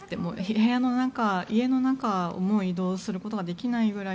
部屋の中、家の中も移動することができないぐらい